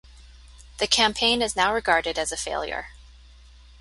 The campaign is now regarded as a failure.